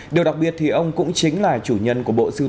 điều đặc biệt thì ông cũng chính là chủ nhiệm của nghệ thuật nhiếp ảnh